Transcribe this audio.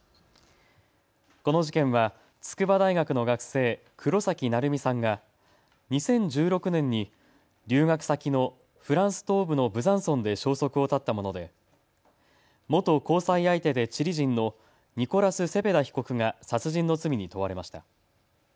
この事件は筑波大学の学生黒崎愛海さんが２０１６年に留学先のフランス東部のブザンソンで消息を絶ったもので元交際相手でチリ人のニコラス・セペダ被告が殺人の罪に問われました。